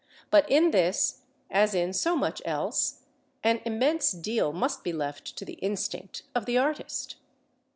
But in this, as in so much else, an immense deal must be left to the instinct of the artist.